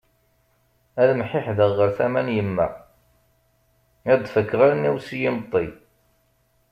Ad mḥiḥdeɣ ɣer tama n yemma ad d-fakkeɣ allen-iw s yimeṭṭi.